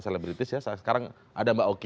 selebritis ya sekarang ada mbak oki